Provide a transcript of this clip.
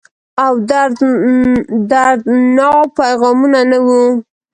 او دردڼاوو پیغامونه، نه وه